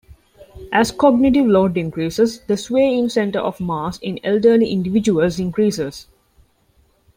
As cognitive load increases, the sway in center of mass in elderly individuals increases.